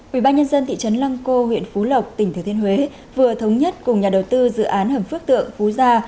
quỹ ban nhân dân thị trấn lăng cô huyện phú lộc tỉnh thừa thiên huế vừa thống nhất cùng nhà đầu tư dự án hầm phước tượng phú gia